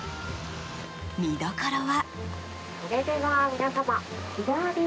見どころは。